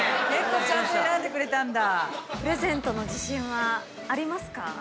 ちゃんと選んでくれたんだ。